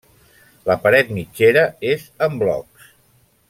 La paret mitgera és en blocs.